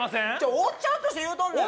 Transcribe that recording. おっちゃんとして言うとんねん！